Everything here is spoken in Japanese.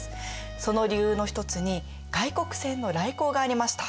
その理由の一つに外国船の来航がありました。